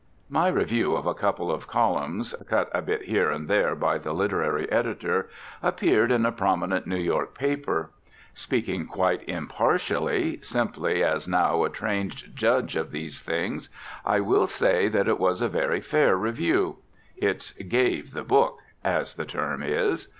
My review, of a couple of columns, cut a bit here and there by the literary editor, appeared in a prominent New York paper. Speaking quite impartially, simply as now a trained judge of these things, I will say that it was a very fair review: it "gave the book," as the term is.